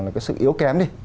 là cái sự yếu kém đi